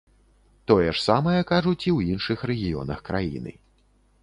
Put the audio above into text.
Тое ж самае кажуць і ў іншых рэгіёнах краіны.